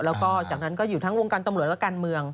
แล้วก็จากนั้นก็อยู่ทั้งวงการตำรวจและการเมือง